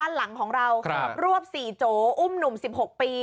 หลังของเรารวบ๔โจอุ้มหนุ่ม๑๖ปี